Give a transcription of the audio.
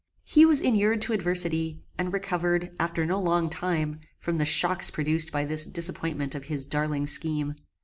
He was inured to adversity, and recovered, after no long time, from the shocks produced by this disappointment of his darling scheme.